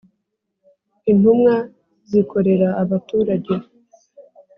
Intumwa zikorera abaturage.